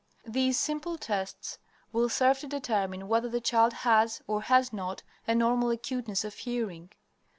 These simple tests will serve to determine whether the child has, or has not, a normal acuteness of hearing.